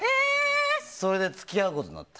それで付き合うことになって。